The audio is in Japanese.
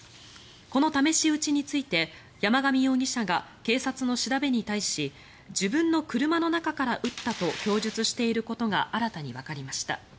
この試し撃ちについて山上容疑者が警察の調べに対し自分の車の中から撃ったと供述していることが新たにわかりました。